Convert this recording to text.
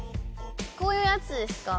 こういうやつですか？